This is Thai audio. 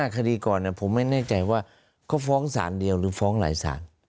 คดีก่อนผมไม่แน่ใจว่าเขาฟ้องสารเดียวหรือฟ้องหลายสาร